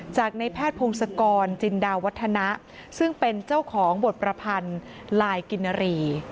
จากในแพทย์พงศกรจินดาวัฒนะซึ่งเป็นเจ้าของบทประพันธ์ลายกินรี